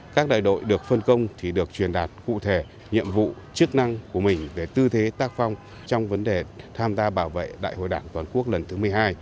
các đại đội được phân công thì được truyền đạt cụ thể nhiệm vụ chức năng của mình về tư thế tác phong trong vấn đề tham gia bảo vệ đại hội đảng toàn quốc lần thứ một mươi hai